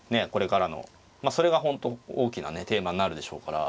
まあそれが本当大きなねテーマになるでしょうから。